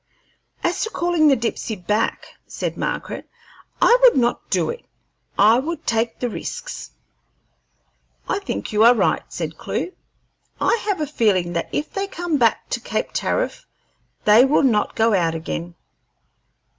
"As to calling the Dipsey back," said Margaret, "I would not do it; I would take the risks." "I think you are right," said Clewe. "I have a feeling that if they come back to Cape Tariff they will not go out again.